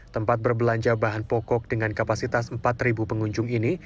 tempat berbelanja bahan pokok dengan kapasitas empat pengunjung ini